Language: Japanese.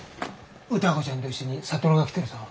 歌子ちゃんと一緒に智が来てるぞ。